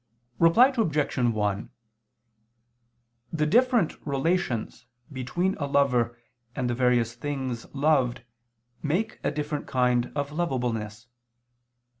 Reply Obj. 1: The different relations between a lover and the various things loved make a different kind of lovableness.